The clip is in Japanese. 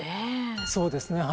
そうですね。